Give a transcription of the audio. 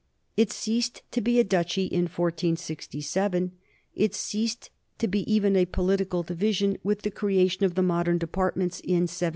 It ceased to be a duchy in 1467; it ceased to be even a political division with the creation of the modern departments in 1790.